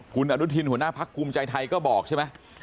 คุณอนุทินหัวหน้าพักภูมิใจไทยก็บอกใช่ไหม